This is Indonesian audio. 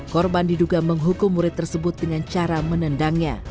korban diduga menghukum murid tersebut dengan cara menendangnya